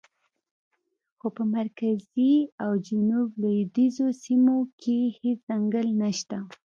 خو په مرکزي او جنوب لویدیځو سیمو کې هېڅ ځنګل نشته.